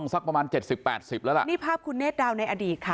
สักประมาณเจ็ดสิบแปดสิบแล้วล่ะนี่ภาพคุณเนธดาวในอดีตค่ะ